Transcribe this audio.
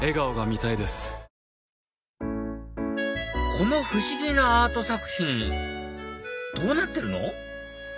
この不思議なアート作品どうなってるの？